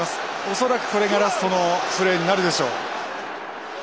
恐らくこれがラストのプレーになるでしょう。